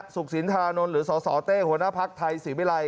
ศิลธานนท์หรือสสเต้หัวหน้าภักดิ์ไทยศรีวิรัย